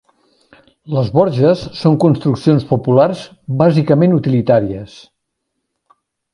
Les borges són construccions populars bàsicament utilitàries.